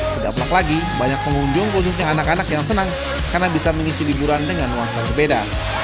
tidak pelak lagi banyak pengunjung khususnya anak anak yang senang karena bisa mengisi liburan dengan nuansa berbeda